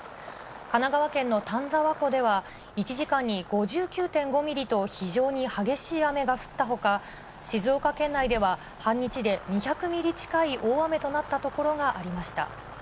神奈川県の丹沢湖では、１時間に５９．５ミリと非常に激しい雨が降ったほか、静岡県内では半日で２００ミリ近い大雨となった所がありました。